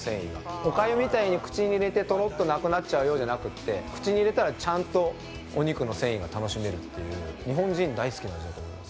おかゆみたいに口に入れてトロッとなくなっちゃうよじゃなくて口に入れたらちゃんとお肉の繊維が楽しめるという日本人、大好きな味だと思います。